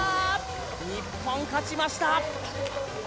日本、勝ちました！